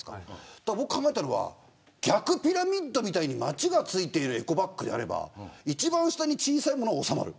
僕、考えたのは逆ピラミッドみたいにまちが付いてるエコバッグをやれば一番下に小さいものが収まる